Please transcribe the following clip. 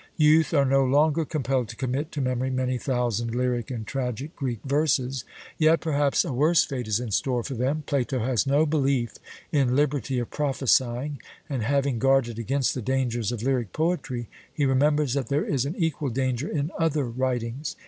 Youth are no longer compelled to commit to memory many thousand lyric and tragic Greek verses; yet, perhaps, a worse fate is in store for them. Plato has no belief in 'liberty of prophesying'; and having guarded against the dangers of lyric poetry, he remembers that there is an equal danger in other writings.